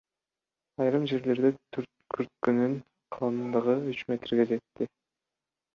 Айрым жерлерде күрткүнүн калыңдыгы үч метрге жетти.